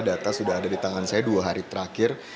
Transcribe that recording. data sudah ada di tangan saya dua hari terakhir